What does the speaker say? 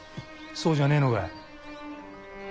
そうじゃねえのか。